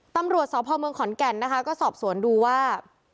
ตำรวจสภเมืองขอนแก่นสอบสวนดูว่า